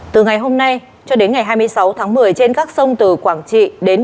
từ ngày hôm nay cho đến ngày hai mươi sáu tháng một mươi trên các sông từ quảng trị đến